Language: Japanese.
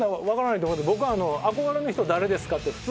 僕は「憧れの人誰ですか？」って普通